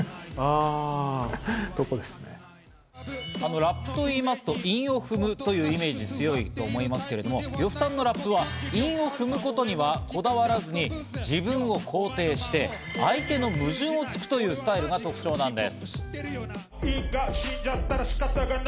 ラップと言いますと、韻を踏むというイメージが強いと思いますけど、呂布さんのラップは韻を踏むことにはこだわらずに自分を肯定して、相手の矛盾を突くというスタイルが特徴なんです。